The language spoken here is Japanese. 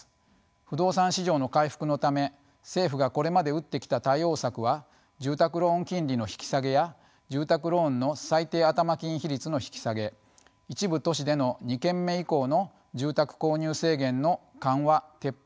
不動産市場の回復のため政府がこれまで打ってきた対応策は住宅ローン金利の引き下げや住宅ローンの最低頭金比率の引き下げ一部都市での２軒目以降の住宅購入制限の緩和・撤廃などです。